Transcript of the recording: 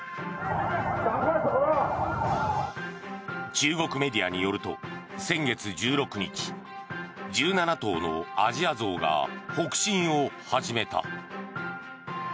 中国メディアによると先月１６日１７頭のアジアゾウが北進を始めた。